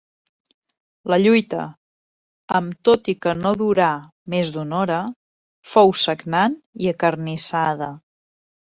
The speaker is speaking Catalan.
La lluita, amb tot i que no durà més d'una hora, fou sagnant i acarnissada.